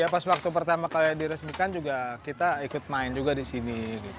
ya pas waktu pertama kali diresmikan juga kita ikut main juga di sini